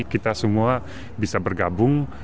kita semua bisa bergabung